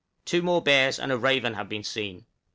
Two more bears and a raven have been seen.